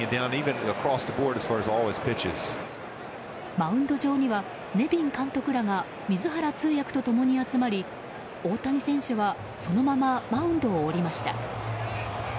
マウンド上にはネビン監督らが水原通訳と共に集まり大谷選手はそのままマウンドを降りました。